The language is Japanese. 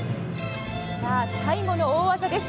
さあ、最後の大技です。